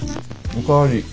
お代わり。